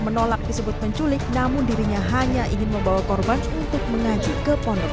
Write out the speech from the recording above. menolak disebut penculik namun dirinya hanya ingin membawa korban untuk mengaji ke pondok